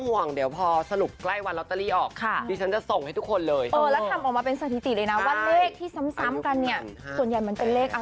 แล้วทำออกมาเป็นสถิติเลยนะว่าเลขที่ซ้ำกันเนี่ยส่วนใหญ่มันจะเลขอะไร